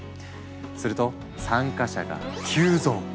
すると参加者が急増！